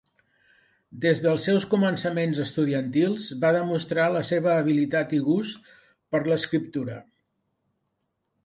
Des dels seus començaments estudiantils va demostrar la seva habilitat i gust per l'escriptura.